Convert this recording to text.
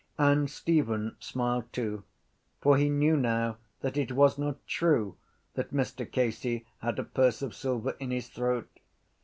And Stephen smiled too for he knew now that it was not true that Mr Casey had a purse of silver in his throat.